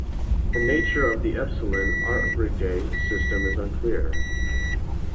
The nature of the Epsilon Aurigae system is unclear.